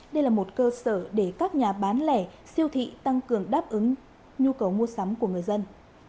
đây là một cơ sở để các nhà bán lẻ siêu thị tăng cường đáp ứng nhu cầu mua sắm của người dân